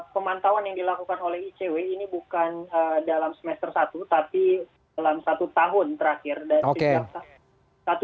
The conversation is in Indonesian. pemantauan yang dilakukan oleh icw ini bukan dalam semester satu tapi dalam satu tahun terakhir dari sejak satu